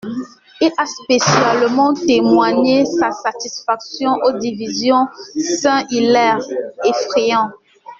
Il a spécialement témoigné sa satisfaction aux divisions Saint-Hilaire et Friant.